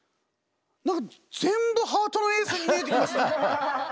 何か全部ハートのエースに見えてきました。